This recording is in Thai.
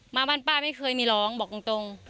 บ้านป้าไม่เคยมีร้องบอกตรง